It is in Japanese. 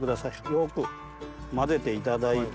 よく混ぜていただいて。